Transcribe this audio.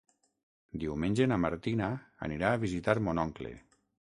Diumenge na Martina anirà a visitar mon oncle.